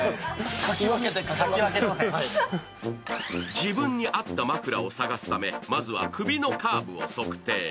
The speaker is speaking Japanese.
自分に合った枕を探すためまずは首のカーブを測定。